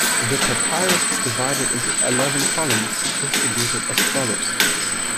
The papyrus is divided into eleven columns, distributed as follows.